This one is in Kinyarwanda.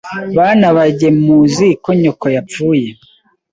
Bana banjyemuzi ko nyoko yapfuye